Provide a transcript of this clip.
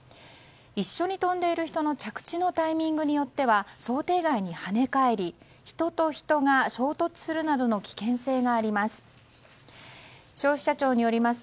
一緒に跳んでいる人の着地のタイミングによっては想定外に跳ね返り人と人が衝突するなどの危険性があります。